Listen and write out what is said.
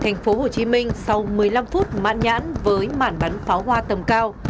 thành phố hồ chí minh sau một mươi năm phút mạn nhãn với màn bắn pháo hoa tầm cao